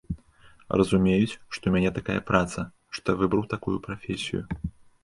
Разумеюць, што ў мяне такая праца, што я выбраў такую прафесію.